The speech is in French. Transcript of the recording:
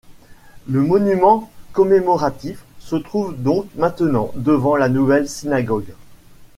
Le monument commémoratif se trouve donc maintenant devant la nouvelle synagogue.